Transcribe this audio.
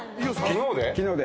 昨日で？